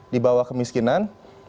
di bawah kemiskinan